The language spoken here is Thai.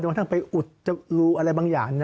จนกว่าถ้ามันไปอุดจะรู้อะไรบางอย่าง